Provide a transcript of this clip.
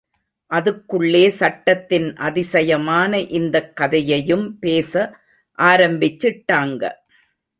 அதுக்குள்ளே சட்டத்தின் அதிசயமான இந்தக் கதையையும் பேச ஆரம்பிச்சிட்டாங்க.